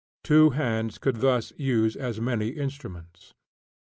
Two hands could thus use as many instruments.